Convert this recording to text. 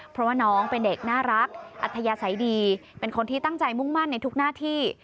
เพราะว่าน้องเป็นเด็กน่ารักอัธยาศัยดีเป็นคนที่ตั้งใจมุ่งมั่นในทุกหน้าที่